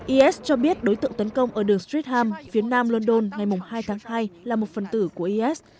is cho biết đối tượng tấn công ở đường street ham phía nam london ngày hai tháng hai là một phần tử của is